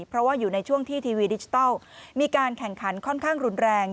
เพราะว่าอยู่ในช่วงที่ทีวีดิจิทัลมีการแข่งขันค่อนข้างรุนแรง